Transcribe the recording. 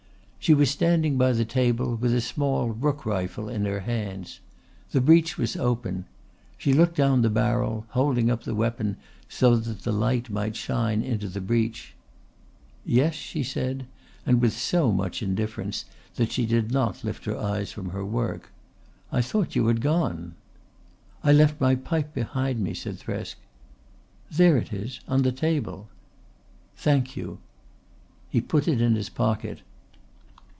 She was standing by the table with a small rook rifle in her hands. The breech was open. She looked down the barrel, holding up the weapon so that the light might shine into the breech. "Yes?" she said, and with so much indifference that she did not lift her eyes from her work. "I thought you had gone." "I left my pipe behind me," said Thresk. "There it is, on the table." "Thank you." He put it in his pocket.